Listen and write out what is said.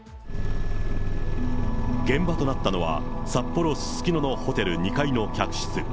現場となったのは、札幌・すすきののホテル２階の客室。